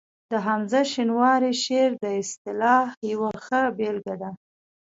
د حمزه شینواري شعر د اصطلاح یوه ښه بېلګه ده